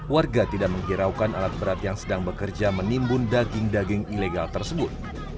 warga tidak menghiraukan alat berat yang sedang bekerja menimbun daging daging ilegal tersebut